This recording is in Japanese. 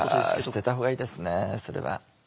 あ捨てたほうがいいですねそれは。